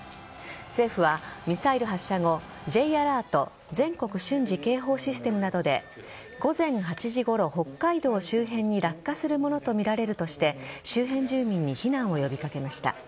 政府は、ミサイル発射後Ｊアラート＝全国瞬時警報システムなどで午前８時ごろ、北海道周辺に落下するものとみられるとして周辺住民に避難を呼び掛けました。